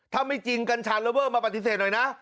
ถ้าไม่จริงกัญชาเลิเวอร์มาปฏิเสธหน่อยนะ